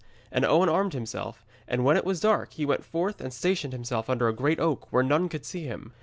And Owen armed himself, and when it was dark he went forth and stationed himself under a great oak, where none could see him.